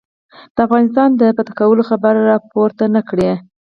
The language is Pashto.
د افغانستان د فتح کولو خبره را پورته نه کړي.